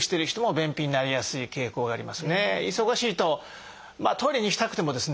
忙しいとトイレに行きたくてもですね